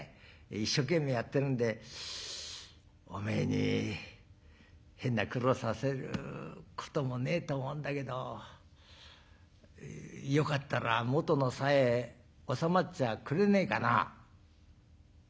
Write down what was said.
一生懸命やってるんでおめえに変な苦労させることもねえと思うんだけどよかったら元のさやへ収まっちゃくれねえかな」。